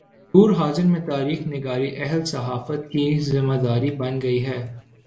دور حاضر میں تاریخ نگاری اہل صحافت کی ذمہ داری بن گئی ہے۔